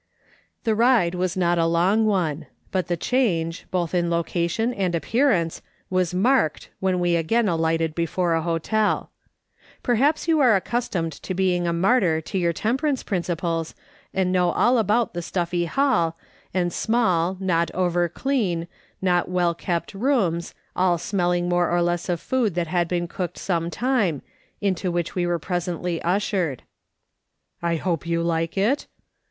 The ride was not a long one, but the change, both in location and appearance, was marked when we again alighted before a hotel. Perhaps you are ac customed to being a martyr to your temperance principles and know all about the stuffy hall, and small, not overclean, not well kept rooms, all smell ing more or less of food that had been cooked some time, into which we were presently ushered. "I hope you like it?"